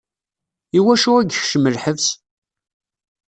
I wacu i yekcem lḥebs?